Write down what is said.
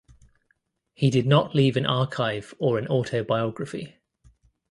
He did not leave an archive or an autobiography.